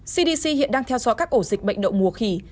cdc hiện đang theo dõi các ổ dịch bệnh đậu mùa khỉ